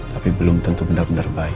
tapi belum tentu benar benar baik